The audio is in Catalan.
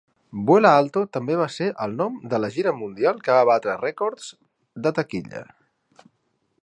Vuela alto també va ser el nom de la gira mundial que va batre rècords de taquilla.